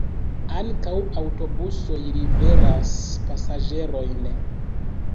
Ankaŭ aŭtobusoj liveras pasaĝerojn.